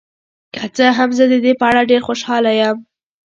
که څه هم، زه د دې په اړه ډیر خوشحاله یم.